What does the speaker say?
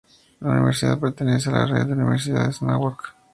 La universidad pertenece a la Red de Universidades Anáhuac.